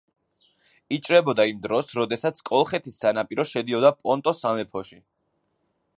იჭრებოდა იმ დროს, როდესაც კოლხეთის სანაპირო შედიოდა პონტოს სამეფოში.